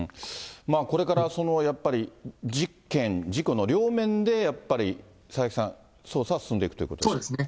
これからやっぱり、事件・事故の両面でやっぱり佐々木さん、捜査は進んでいくということですね。